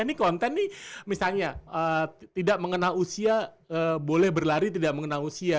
ini konten nih misalnya tidak mengenal usia boleh berlari tidak mengenal usia